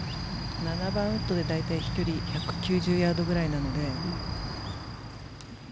７番ウッドで大体、飛距離１９０ヤードぐらいなので。